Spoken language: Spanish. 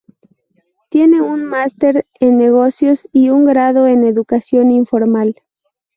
Tiene un máster en negocios y un grado en educación informal.